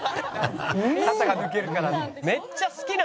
「肩が抜けるから」